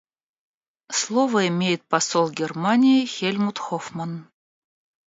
Слово имеет посол Германии Хельмут Хоффман.